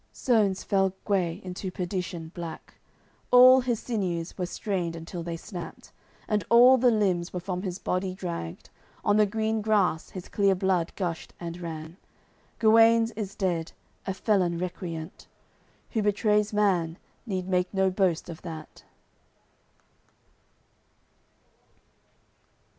Sones fell Gue into perdition black; All his sinews were strained until they snapped, And all the limbs were from his body dragged. On the green grass his clear blood gushed and ran. Guenes is dead, a felon recreant. Who betrays man, need make no boast of that.